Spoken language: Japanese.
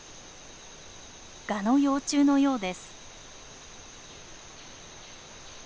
ガの幼虫のようです。